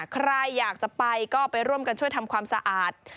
ใครอยากจะไปก็ไปร่วมกันช่วยทำความสะอาด